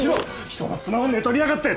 人の妻を寝取りやがって。